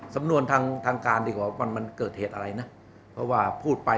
สำนวนทางทางการดีกว่ามันมันเกิดเหตุอะไรนะเพราะว่าพูดไป